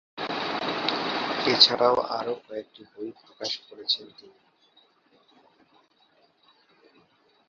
এছাড়াও আরও কয়েকটি বই প্রকাশ করেছেন তিনি।